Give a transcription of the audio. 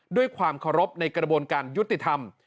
ด้วยความเคารพในกระบวนการยุติธรรม